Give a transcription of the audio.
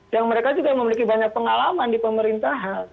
yang mereka juga memiliki banyak pengalaman di pemerintahan